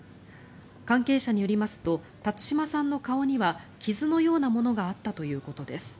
関係者によりますと辰島さんの顔には傷のようなものがあったということです。